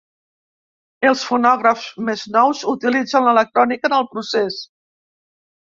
Els fonògrafs més nous utilitzen l'electrònica en el procés.